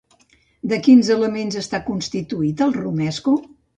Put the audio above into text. De quins elements està constituït el romesco?